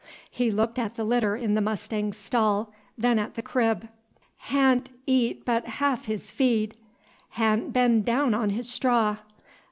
He looked at the litter in the mustang's stall, then at the crib. "Ha'n't eat b't haalf his feed. Ha'n't been daown on his straw.